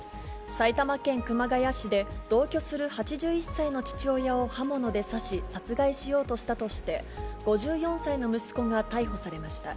埼玉県熊谷市で、同居する８１歳の父親を刃物で刺し、殺害しようとしたとして、５４歳の息子が逮捕されました。